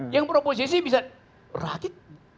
yang beroposisi bisa rakyat